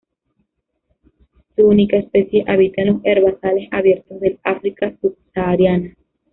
Su única especie habita en los herbazales abiertos del África subsahariana.